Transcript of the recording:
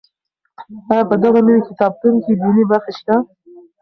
آیا په دغه نوي کتابتون کې دیني برخې شته؟